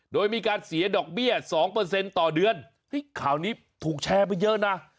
โดยมีการเสียดอกเบี้ย๒ต่อเดือนข่าวนี้ถูกแชร์ไปเยอะนะ